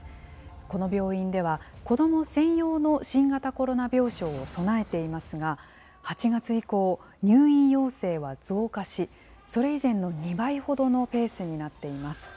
この病院では、子ども専用の新型コロナ病床を備えていますが、８月以降、入院要請は増加し、それ以前の２倍ほどのペースになっています。